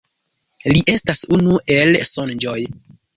Li estas unu el Sonĝoj.